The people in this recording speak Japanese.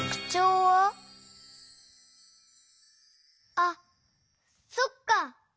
あっそっか！